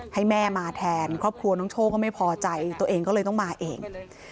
ให้แม่มาแทนครอบครัวน้องโชคก็ไม่พอใจตัวเองก็เลยต้องมาเอง